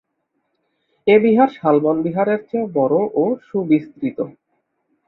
এ বিহার শালবন বিহারের চেয়েও বড় ও সুবিস্তৃত।